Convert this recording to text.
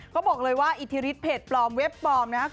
เขาบอกเลยว่าอิทธิฤทธเพจปลอมเว็บปลอมนะครับ